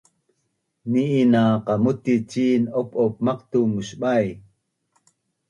ni’in na qamutic cin op’op maqtu’ musbai